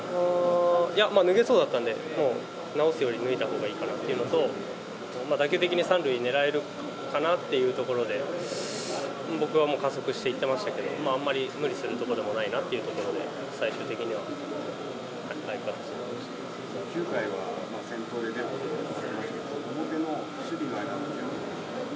脱げそうだったんで、直すより脱いだほうがいいかなっていうのと、打球的に３塁ねらえるかなっていうところで、僕はもう加速していってましたけど、あんまり無理するところでもないなというところで、最終的にはああ９回は先頭で出ましたけど、表の守備は。